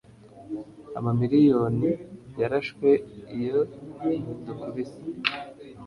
Amamiriyoni yarashwe iyo dukubise?